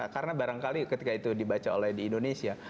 karena barangkali ketika itu dibaca oleh di indonesia